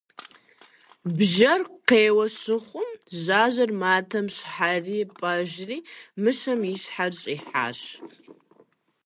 Бжьэр къеуэ щыхъум, жьажьэр матэм щхьэри-пӏэжри, мыщэм и щхьэр щӏихьащ.